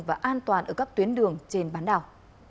và an toàn ở các tuyến đường trên bán đảo